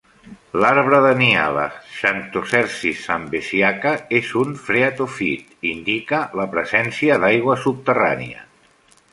L'arbre de Nyala "Xanthocercis zambesiaca" és un "phreatophyte" - indica la presència d'aigua subterrània.